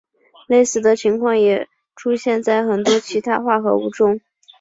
类似的情况也出现在很多其他化合物中。